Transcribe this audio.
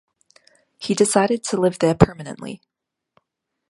He decided to live there permanently.